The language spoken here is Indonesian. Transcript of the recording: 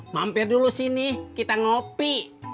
mampir dulu sini kita ngopi